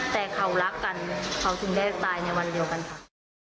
แต่เขารักกันเขาถึงได้ตายในวันเดียวกันค่ะ